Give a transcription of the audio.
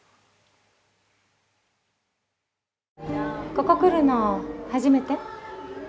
ここ来るの初めて？